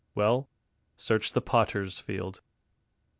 Well, _SEARCH THE POTTER'S FIELD.